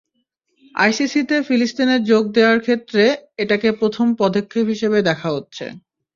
আইসিসিতে ফিলিস্তিনের যোগ দেওয়ার ক্ষেত্রে এটাকে প্রথম পদক্ষেপ হিসেবে দেখা হচ্ছে।